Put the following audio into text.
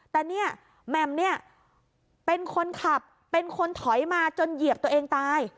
แต่เนี่ยแหม่มเนี่ยเป็นคนขับเป็นคนถอยมาจนเหยียบตัวเองตาย